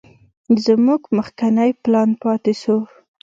زموږ مخکينى پلان پاته سو.